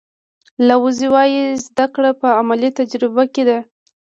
لاوزي وایي زده کړه په عملي تجربه کې ده.